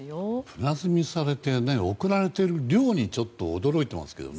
船積みされて送られていく量にちょっと驚いていますけど。